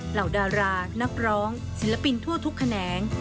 เหล่าดารานักร้องศิลปินทั่วทุกแขนง